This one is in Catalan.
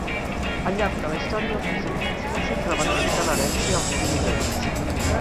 Al llarg de la història, els bizantins no sempre van limitar l'herència als primogènits.